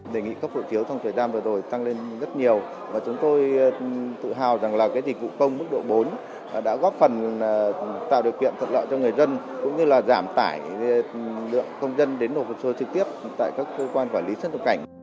đề nghị cấp hộ chiếu trong thời gian vừa rồi tăng lên rất nhiều và chúng tôi tự hào rằng là cái dịch vụ công mức độ bốn đã góp phần tạo điều kiện thuận lợi cho người dân cũng như là giảm tải lượng công dân đến nộp hồ sơ trực tiếp tại các cơ quan quản lý xuất nhập cảnh